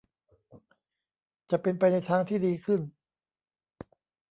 จะเป็นไปในทางที่ดีขึ้น